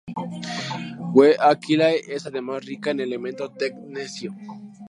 W Aquilae es además rica en el elemento tecnecio.